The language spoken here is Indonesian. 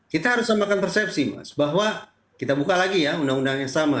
kita harus samakan persepsi mas bahwa kita buka lagi ya undang undang yang sama